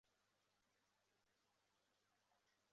花纹爱洁蟹为扇蟹科熟若蟹亚科爱洁蟹属的动物。